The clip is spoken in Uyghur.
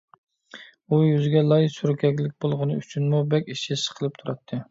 ئۇ يۈزىگە لاي سۈركەكلىك بولغىنى ئۈچۈنمۇ بەك ئىچى سىقىلىپ تۇراتتى.